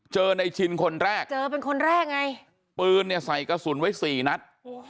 เจอในชินคนแรกปืนใส่กระสุนไว้๔นัด